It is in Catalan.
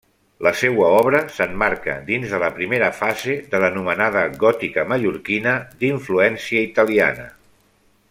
La seua obra s'emmarca dins de la primera fase de l'anomenada gòtica mallorquina, d'influència italiana.